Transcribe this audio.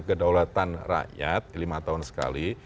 kedaulatan rakyat lima tahun sekali